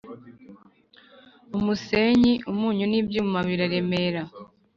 Umusenyi, umunyu n’ibyuma biraremera